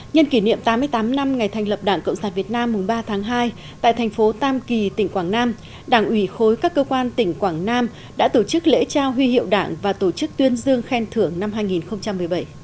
nhân kỷ niệm tám mươi tám năm ngày thành lập đảng cộng sản việt nam ba tháng hai tại thành phố tam kỳ tỉnh quảng nam đảng ủy khối các cơ quan tỉnh quảng nam đã tổ chức lễ trao huy hiệu đảng và tổ chức tuyên dương khen thưởng năm hai nghìn một mươi bảy